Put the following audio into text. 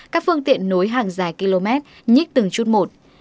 các phương tiện nối hàng dài km nhích từng chút một